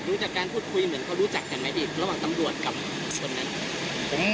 รู้จักการพูดคุยเหมือนเขารู้จักกันไหมพี่ระหว่างตำรวจกับคนนั้น